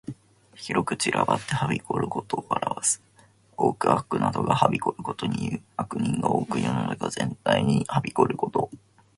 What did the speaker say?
広く散らばってはびこることを表す。多く悪などがはびこることにいう。悪人が多く世の中全体に蔓延ること。